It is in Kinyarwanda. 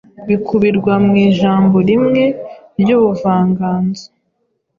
Bikubirwa mu ijambo rimwe ry’ubuvanganzo.